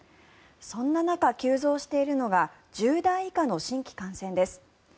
そんな中、急増しているのが１０代以下の新規感染です。